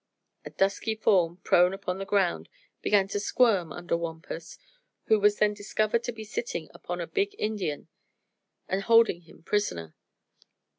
A dusky form, prone upon the ground, began to squirm under Wampus, who was then discovered to be sitting upon a big Indian and holding him prisoner.